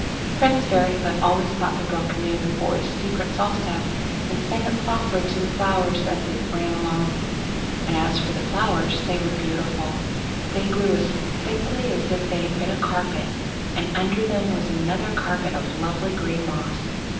Prince Fairyfoot always thought the brook knew the forest's secret also, and sang it softly to the flowers as it ran along. And as for the flowers, they were beautiful; they grew as thickly as if they had been a carpet, and under them was another carpet of lovely green moss.